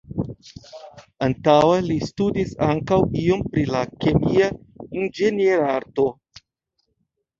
Antaŭe, li studis ankaŭ iom pri la Kemia Inĝenierarto.